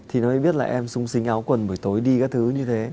thì nó mới biết là em súng sính áo quần buổi tối đi các thứ như thế